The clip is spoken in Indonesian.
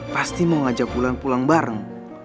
pasti mau ngajak ulan pulang bareng